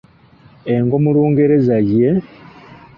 Engo mu Lungereza ye?